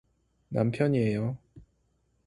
남편이에요.